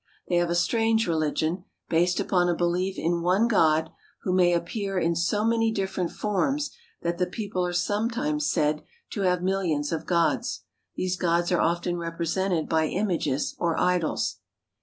They have a strange religion, based upon a belief in one God who may appear in so many different forms that the people are sometimes said to have milHons of gods. These gods are often represented by images or idols.